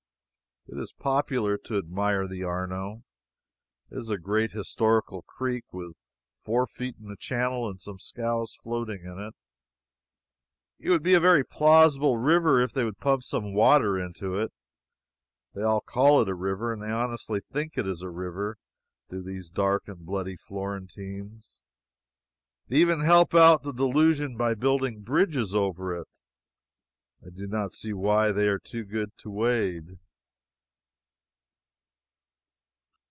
It is popular to admire the Arno. It is a great historical creek with four feet in the channel and some scows floating around. It would be a very plausible river if they would pump some water into it. They all call it a river, and they honestly think it is a river, do these dark and bloody Florentines. They even help out the delusion by building bridges over it. I do not see why they are too good to wade.